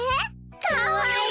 かわいい！